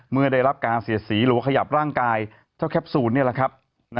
เมื่อได้รับการเสียสีหรือว่าขยับร่างกายเจ้าแคปซูลนี่แหละครับ